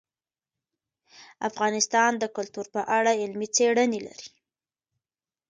افغانستان د کلتور په اړه علمي څېړنې لري.